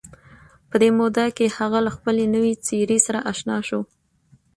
په دې موده کې هغه له خپلې نوې څېرې سره اشنا شو